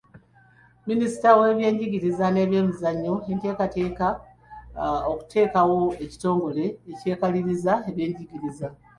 Minisitule y'ebyenjigiriza n'ebyemizannyo eteekateeka okuteekawo ekitongole ekyekaliriza ebyenjigiriza.